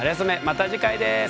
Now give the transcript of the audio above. また次回です。